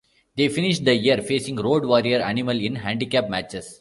They finished the year facing Road Warrior Animal in handicap matches.